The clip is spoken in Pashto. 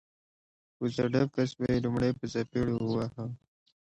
کوڅه ډب کس به یې لومړی په څپېړو واهه